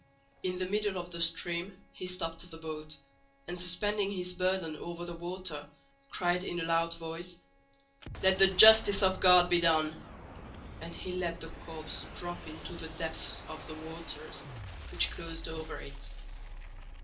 In the middle of the stream he stopped the boat, and suspending his burden over the water cried in a loud voice, "Let the justice of God be done!" and he let the corpse drop into the depths of the waters, which closed over it.